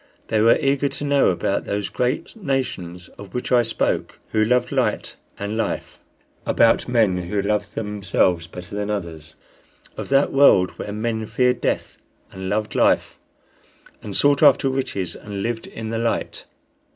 They were eager to know about those great nations of which I spoke, who loved light and life; about men who loved themselves better than others; of that world where men feared death and loved life, and sought after riches and lived in the light.